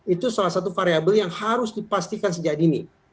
itu salah satu variable yang harus dipastikan sejak dini